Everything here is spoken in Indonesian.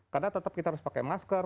karena tetap kita harus pakai masker